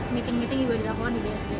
meeting meeting juga dilakukan di bsd